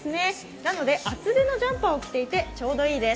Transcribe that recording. なので厚手のジャンパーを着ていてちょうどいいです。